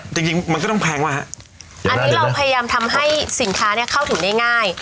จริงจริงมันก็ต้องแพงว่าฮะอันนี้เราพยายามทำให้สินค้าเนี้ยเข้าถึงได้ง่าย